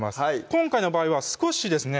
今回の場合は少しですね